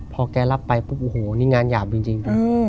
พอแกรับไปปุ๊บโอ้โหนี่งานหยาบจริง